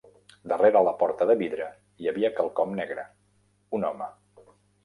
Darrera la porta de vidre hi havia quelcom negre: un home.